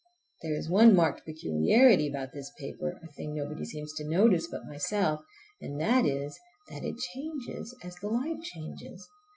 There is one marked peculiarity about this paper, a thing nobody seems to notice but myself, and that is that it changes as the light changes.